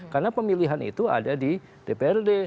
karena pemilihan itu ada di dprd